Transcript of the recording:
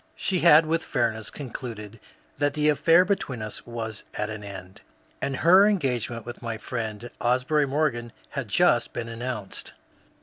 She had with fairness concluded that the affair between us was at an end, and her engagement with my friend Asbury Morgan had just been announced.